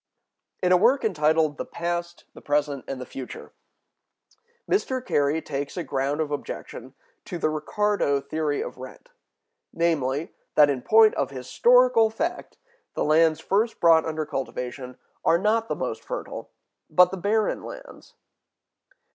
In a work entitled "The Past, the Present, and the Future," Mr. Carey takes [a] ground of objection to the Ricardo theory of rent, namely, that in point of historical fact the lands first brought under cultivation are not the most fertile, but the barren lands.